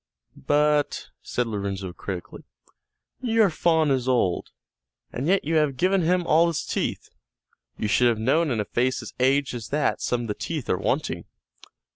"But," said Lorenzo, critically, "your faun is old, and yet you have given him all his teeth; you should have known in a face as aged as that some of the teeth are wanting."